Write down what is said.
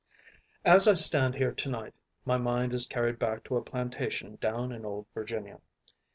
As I stand here to night, my mind is carried back to a plantation down in "Old Virginia."